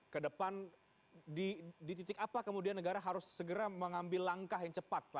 ke depan di titik apa kemudian negara harus segera mengambil langkah yang cepat